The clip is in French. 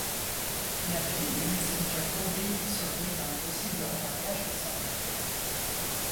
La fille de Mrs Jacoby s'oppose à un possible remariage de sa mère.